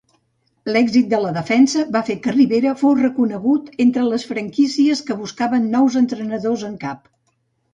L'èxit de la defensa va fer que Rivera fos reconegut entre les franquícies que buscaven nous entrenadors en cap.